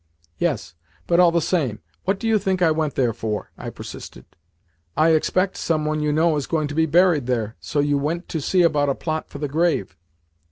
"Yes, but, all the same, what do you think I went there for?" I persisted. "I expect some one you know is going to be buried there, so you went to see about a plot for the grave."